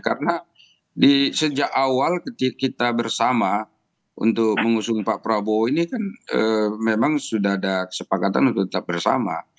karena sejak awal ketika kita bersama untuk mengusung pak prabowo ini kan memang sudah ada kesepakatan untuk tetap bersama